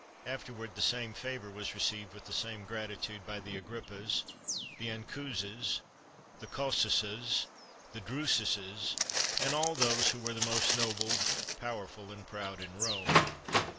After them the same favour was received with the same gratitude by the Agrippas, the Ancuses, the Cossuses, the Drususes, and all those who were the most noble, powerful, and proud in Rome.